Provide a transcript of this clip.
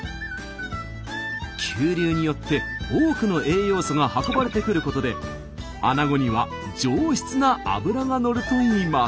急流によって多くの栄養素が運ばれてくることであなごには上質な脂がのるといいます。